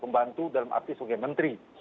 pembantu dalam arti sebagai menteri